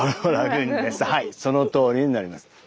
はいそのとおりになります。